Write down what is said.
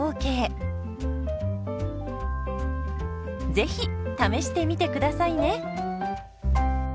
ぜひ試してみてくださいね。